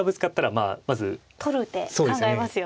取る手考えますよね。